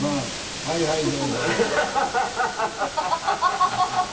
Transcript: はいはいどうぞ。